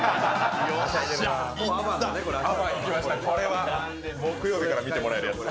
これは木曜日から見てもらえるやつ。